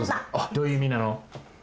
どういういみなの？